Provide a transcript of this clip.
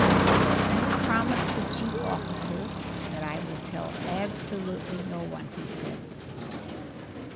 "I have promised the chief officer that I will tell absolutely no one," he said.